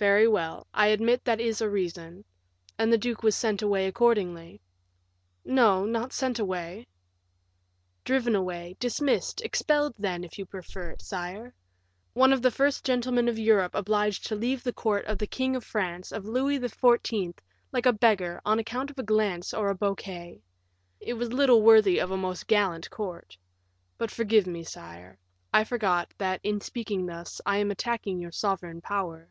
"Very well, I admit that is a reason; and the duke was sent away accordingly." "No, not sent away." "Driven away, dismissed, expelled, then, if you prefer it, sire. One of the first gentlemen of Europe obliged to leave the court of the King of France, of Louis XIV., like a beggar, on account of a glance or a bouquet. It was little worthy of a most gallant court; but forgive me, sire; I forgot, that, in speaking thus, I am attacking your sovereign power."